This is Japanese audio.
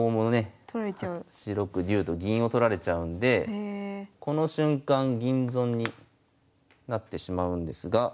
８六竜と銀を取られちゃうんでこの瞬間銀損になってしまうんですが。